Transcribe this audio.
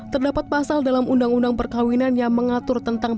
terdapat pasal dalam undang undang perkawinan yang mengatur tentang